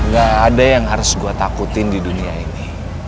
gak ada yang harus gue takutin di dunia ini